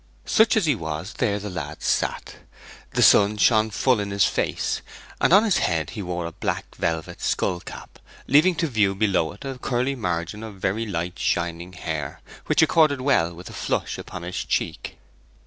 Such as he was, there the lad sat. The sun shone full in his face, and on his head he wore a black velvet skull cap, leaving to view below it a curly margin of very light shining hair, which accorded well with the flush upon his cheek.